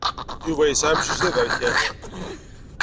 Yuba yesɛa amcic d aberkan.